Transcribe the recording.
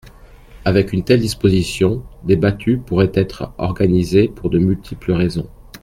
Avec une telle disposition, des battues pourraient être organisées pour de multiples raisons.